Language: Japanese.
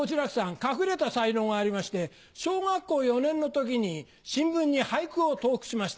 隠れた才能がありまして小学校４年の時に新聞に俳句を投句しました。